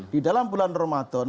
di dalam bulan ramadan